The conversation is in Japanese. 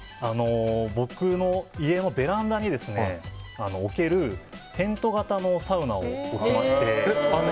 僕のベランダに置けるテント型のサウナを置きまして。